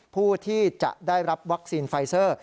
ผู้ที่จะได้รับวัคซีนไฟเซอร์